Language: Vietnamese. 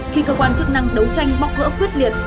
khi cơ quan chức năng đấu tranh bóc gỡ quyết liệt